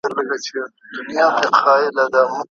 زه چي خپل قسمت ته ګورم دا خوبونه ریشتیا کیږي